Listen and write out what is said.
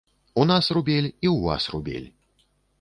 У нас рубель, і ў вас рубель!